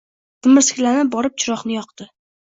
Timirskilanib borib chiroqni yoqdi.